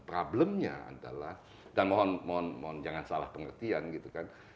problemnya adalah dan mohon jangan salah pengertian gitu kan